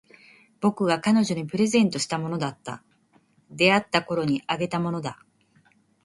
僕が彼女にプレゼントしたものだった。出会ったころにあげたものだ。